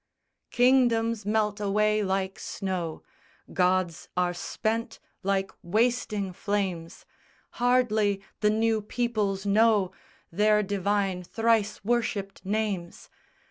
_ _Kingdoms melt away like snow, Gods are spent like wasting flames, Hardly the new peoples know Their divine thrice worshipped names!